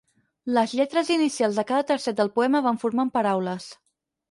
Les lletres inicials de cada tercet del poema van formant paraules.